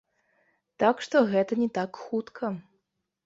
Так што гэта не так хутка.